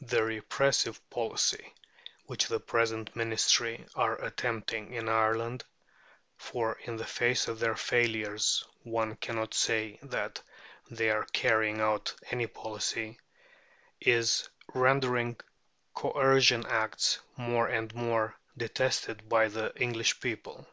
The repressive policy which the present Ministry are attempting in Ireland for in the face of their failures one cannot say that they are carrying out any policy is rendering Coercion Acts more and more detested by the English people.